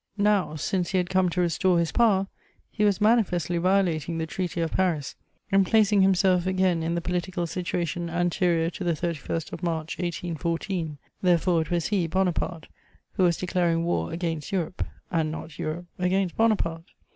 Now, since he had come to restore his power, he was manifestly violating the Treaty of Paris and placing himself again in the political situation anterior to the 31st of March 1814: therefore it was he, Bonaparte, who was declaring war against Europe, and not Europe against Bonaparte.